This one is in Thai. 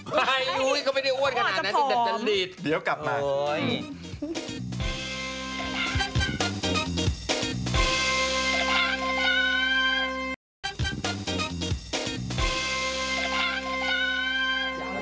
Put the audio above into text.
เขาไม่ได้อ้วนขนาดนั้นจะหลีดเดี๋ยวกลับมาโอ้โฮ